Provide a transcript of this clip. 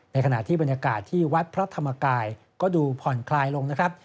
ขณะที่บรรยากาศที่วัดพระธรรมกายก็ดูผ่อนคลายลงนะครับ